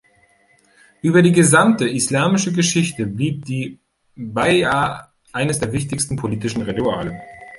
Über die gesamte islamische Geschichte blieb die Baiʿa eines der wichtigsten politischen Rituale.